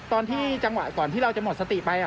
ตอนที่จังหวะเดี๋ยวเราจะหมดสติไปครับ